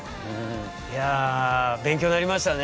いや勉強になりましたね。